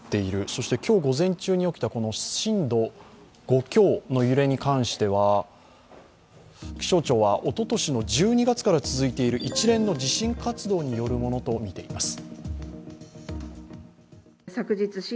そして今日午前中に起きた震度５強の揺れに関しては気象庁はおととしの１２月から続いている一連の地震活動によるものとみています。